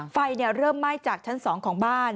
ไฟเริ่มไหม้จากชั้น๒ของบ้าน